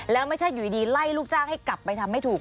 แล้วไม่ใช่อยู่ดีไล่ลูกจ้างให้กลับไปทำไม่ถูก